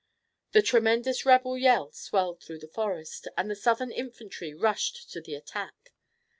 The tremendous rebel yell swelled through the forest, and the Southern infantry rushed to the attack.